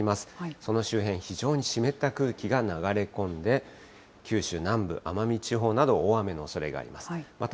その周辺、非常に湿った空気が流れ込んで、九州南部、奄美地方など、大雨のおそれがあります。